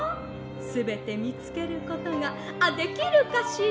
すべてみつけることがあっできるかしら？